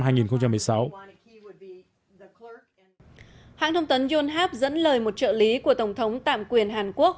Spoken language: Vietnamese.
hãng thông tấn yonhap dẫn lời một trợ lý của tổng thống tạm quyền hàn quốc